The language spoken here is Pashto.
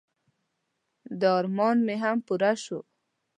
د ارمان مې هم پوره شو.